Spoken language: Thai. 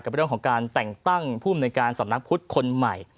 เรื่องของการแต่งตั้งผู้อำนวยการสำนักพุทธคนใหม่